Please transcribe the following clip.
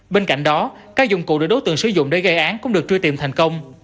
bên cạnh đó các dụng cụ được đối tượng sử dụng để gây án cũng được truy tìm thành công